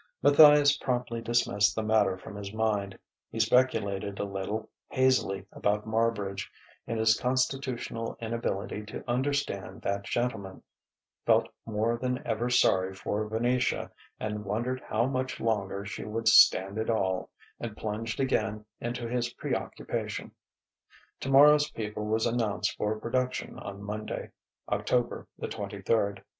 Matthias promptly dismissed the matter from his mind: he speculated a little, hazily about Marbridge, in his constitutional inability to understand that gentleman, felt more than ever sorry for Venetia and wondered how much longer she would stand it all and plunged again into his preoccupation. "Tomorrow's People" was announced for production on Monday, October the twenty third.